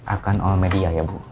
akan all media ya bu